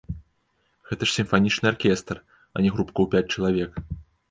Гэта ж сімфанічны аркестр, а не групка ў пяць чалавек!